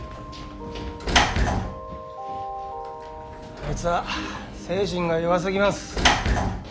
あいつは精神が弱すぎます。